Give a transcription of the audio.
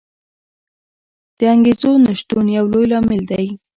د انګېزو نه شتون یو لوی لامل دی.